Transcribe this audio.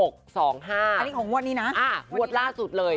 ของงวดนี้นะงวดล่าสุดเลย